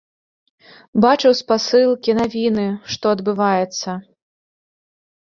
Бачыў спасылкі, навіны, што адбываецца.